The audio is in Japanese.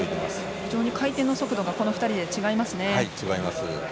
非常に回転の速度でこの２人で違いますね。